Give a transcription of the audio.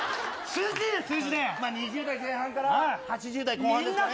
２０代前半から８０代。